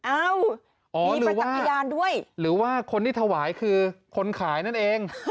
เอ้ามีประจักษ์พยานด้วยหรือว่าคนที่ถวายคือคนขายนั่นเอง